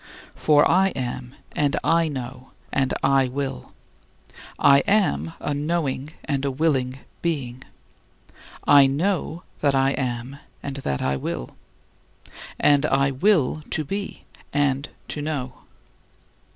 For I am, and I know, and I will. I am a knowing and a willing being; I know that I am and that I will; and I will to be and to know.